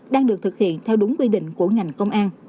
đang được thực hiện theo đúng quy định của ngành công an